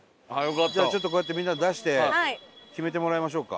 じゃあちょっとこうやってみんな出して決めてもらいましょうか。